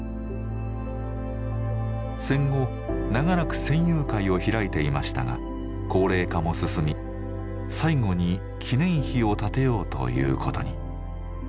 戦後長らく戦友会を開いていましたが高齢化も進み最後に記念碑を建てようということに。